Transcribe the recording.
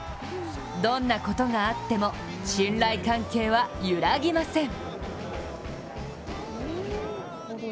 どんなことがあっても信頼関係は揺らぎません。